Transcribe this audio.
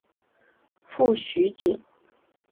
父徐灏。